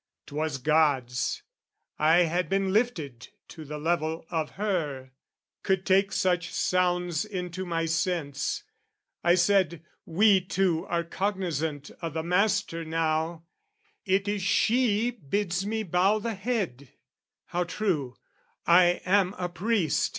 'Twas God's. I had been lifted to the level of her, Could take such sounds into my sense. I said "We two are cognisant o' the Master now; "It is she bids me bow the head: how true, "I am a priest!